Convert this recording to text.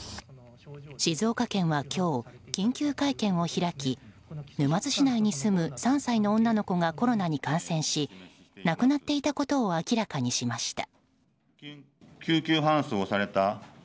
静岡県は今日、緊急会見を開き沼津市内に住む３歳の女の子がコロナに感染し亡くなっていたことを明らかにしました。